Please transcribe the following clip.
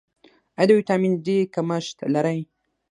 ایا د ویټامین ډي کمښت لرئ؟